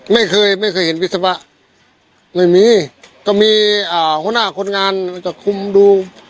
ไม่เคยไม่เคยเห็นวิศวะไม่มีก็มีอ่าหัวหน้าคนงานมันจะคุมดู